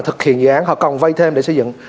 thực hiện dự án họ còn vay thêm để xây dựng